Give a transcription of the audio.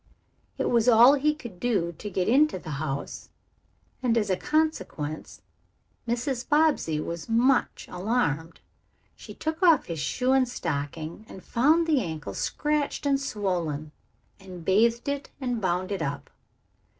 It was all he could do to get into the house, and as a consequence Mrs. Bobbsey was much alarmed. She took off his shoe and stocking and found the ankle scratched and swollen, and bathed it and bound it up.